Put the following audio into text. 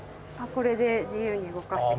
これで自由に動かしてこちらで。